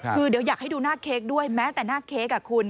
คือเดี๋ยวอยากให้ดูหน้าเค้กด้วยแม้แต่หน้าเค้กอ่ะคุณ